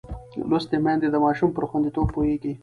لوستې میندې د ماشوم پر خوندیتوب پوهېږي.